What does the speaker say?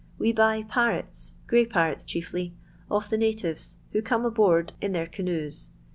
We buy gray parrots chiefly^ of the natives, who )oard in their canoes.